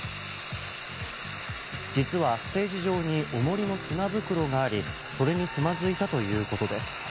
実は、ステージ上に重りの砂袋がありそれにつまずいたということです。